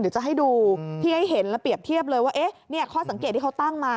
เดี๋ยวจะให้ดูที่ให้เห็นแล้วเปรียบเทียบเลยว่าข้อสังเกตที่เขาตั้งมา